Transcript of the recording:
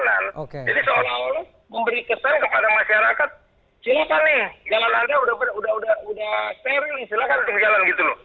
jadi seolah olah memberi kesan kepada masyarakat silahkan nih jalan jalan udah steril silahkan jalan gitu